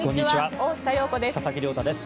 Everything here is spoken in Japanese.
大下容子です。